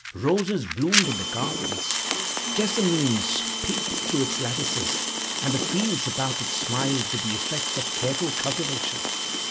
Roses bloomed in the garden, jessamines peeped through its lattices, and the fields about it smiled with the effects of careful cultivation.